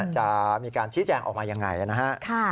จะมีการชี้แจงออกมายังไงนะฮะ